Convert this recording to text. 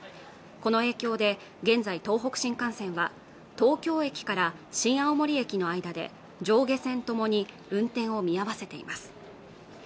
この影響で現在東北新幹線は東京駅から新青森駅の間で上下線ともに運転を見合わせています